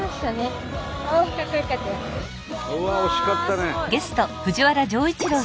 うわっ惜しかったね。